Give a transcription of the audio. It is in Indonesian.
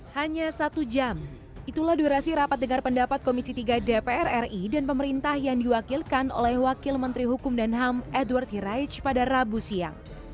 hanya satu jam itulah durasi rapat dengar pendapat komisi tiga dpr ri dan pemerintah yang diwakilkan oleh wakil menteri hukum dan ham edward hiraij pada rabu siang